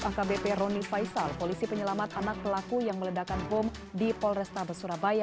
akbp roni faisal polisi penyelamat anak pelaku yang meledakan bom di polrestabes surabaya